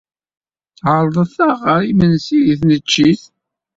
Ɛerḍet-aɣ ɣer yimensi deg tneččit.